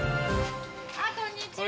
こんにちは。